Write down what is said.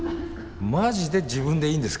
マジで自分でいいんですか？